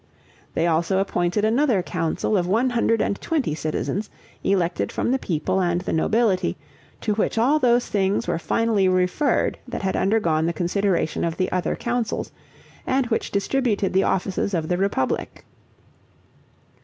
They also appointed another council of one hundred and twenty citizens, elected from the people and the nobility, to which all those things were finally referred that had undergone the consideration of the other councils, and which distributed the offices of the republic.